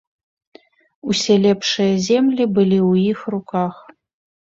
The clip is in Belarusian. Усе лепшыя землі былі ў іх руках.